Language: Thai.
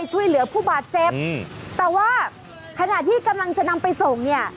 ช่วยเหลือผู้บาดเจ็บแต่ว่าขณะที่กำลังจะนำไปส่งเนี่ย